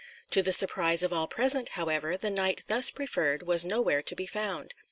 To the surprise of all present, however, the knight thus preferred was nowhere to be found.